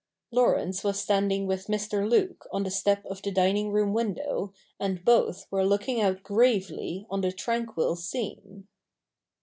Laurence was standing with Mr. Luke on the step of the dining room window, and both were looking out gravely on the tranquil scene.